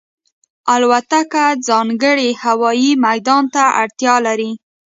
الوتکه ځانګړی هوايي میدان ته اړتیا لري.